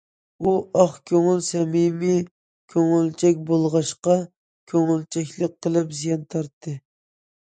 ئۇ ئاق كۆڭۈل، سەمىمىي، كۆڭۈلچەك بولغاچقا كۆڭۈلچەكلىك قىلىپ زىيان تارتتى.